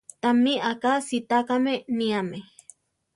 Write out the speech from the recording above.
Tamí aka sitákame níame.